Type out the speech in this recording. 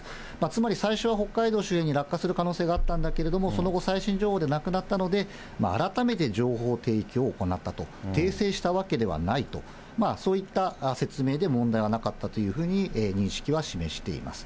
つまり最初は北海道周辺に落下する可能性があったんだけれども、その後、最新情報でなくなったので、改めて情報提供を行ったと、訂正したわけではないと、そういった説明で問題はなかったというふうに認識は示しています。